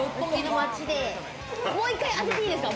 もう１回当てていいですか？